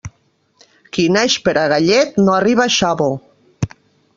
Qui naix per a gallet no arriba a xavo.